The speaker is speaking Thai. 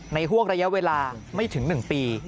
ห่วงระยะเวลาไม่ถึง๑ปี